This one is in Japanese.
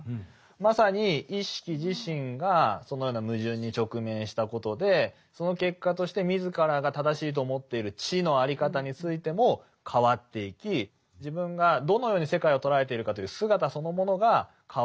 まさに意識自身がそのような矛盾に直面したことでその結果として自らが正しいと思っている知の在り方についても変わっていき自分がどのように世界を捉えているかという姿そのものが変わってくる。